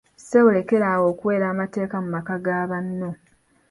Ssebo lekera awo okuweera amateeka mu maka ga banno.